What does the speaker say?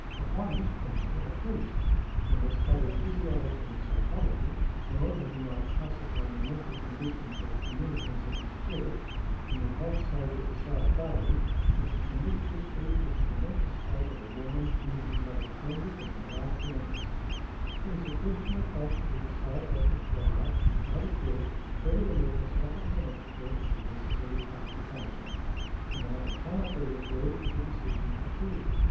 Upon this principle, a priest who had studied physiology and psychology, in order that he might pass upon the mental conditions of communicants in his church, and who had so to decide daily, was permitted to speak as to the mental state of a woman whom he had attended in her last illness . It is a question of fact to be decided at the trial, by the Court, whether a witness offered as an expert has the necessary qualification . And the matter cannot be referred to the decision of the jury.